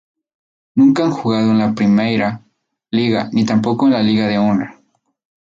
Nunca han jugado en la Primeira Liga ni tampoco en la Liga de Honra.